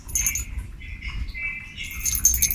东西不容易腐败